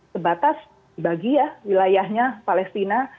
sebatas dibagi ya wilayahnya palestina